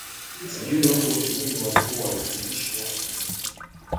Sijui huko shuleni walikuwa wanafundishwa nini